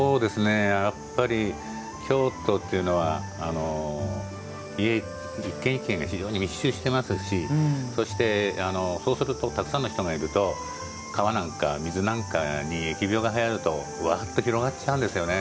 やっぱり京都っていうのは家、１軒１軒が密集してますし、そうするとたくさんの人がいると川なんか、水なんかに疫病がはやると広がっちゃうんですね。